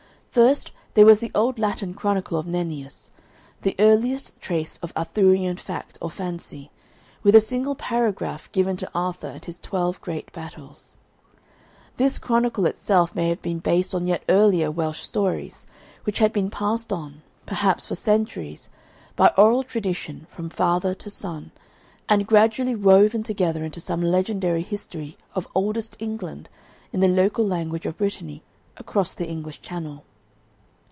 First there was the old Latin chronicle of Nennius, the earliest trace of Arthurian fact or fancy, with a single paragraph given to Arthur and his twelve great battles. This chronicle itself may have been based on yet earlier Welsh stories, which had been passed on, perhaps for centuries, by oral tradition from father to son, and gradually woven together into some legendary history of Oldest England in the local language of Brittany, across the English Channel.